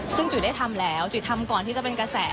ซึ่งจุ๋ยได้ทำแล้วจุ๋ยทำก่อนที่จะเป็นกระแส